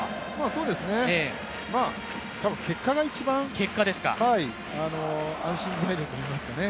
そうですね、多分結果が一番、安心材料といいますかね。